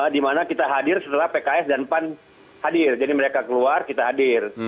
dimana kita hadir setelah pks dan pan hadir jadi mereka keluar kita hadir